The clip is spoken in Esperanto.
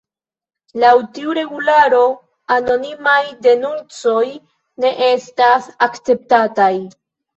Laŭ tiu regularo, anonimaj denuncoj ne estas akceptataj.